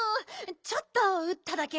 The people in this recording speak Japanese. ちょっとうっただけ。